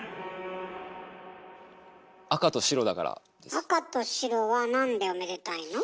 赤と白はなんでおめでたいの？